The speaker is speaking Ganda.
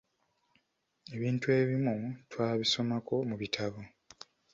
Ebintu ebimu twabisomako mu bitabo.